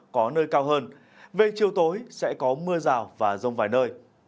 có nơi cao hơn về chiều tối sẽ có mưa rào và rông vài nơi